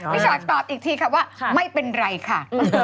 ชอตตอบอีกทีค่ะว่าไม่เป็นไรค่ะ